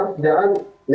itu sebagai pnl